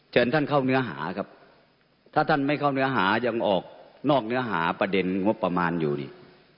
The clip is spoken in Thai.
เชิญท่านเข้าเนื้อหาครับถ้าท่านไม่เข้าเนื้อหายังออกนอกเนื้อหาประเด็นงบประมาณอยู่นี่